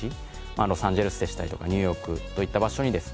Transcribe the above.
ロサンゼルスでしたりとかニューヨークといった場所にですね